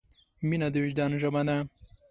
مینه د وجدان ژبه ده.